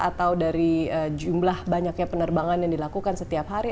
atau dari jumlah banyaknya penerbangan yang dilakukan setiap hari